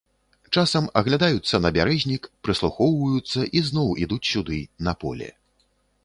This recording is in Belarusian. Часам аглядаюцца на бярэзнік, прыслухоўваюцца і зноў ідуць сюды, на поле.